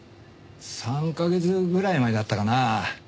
３カ月ぐらい前だったかな。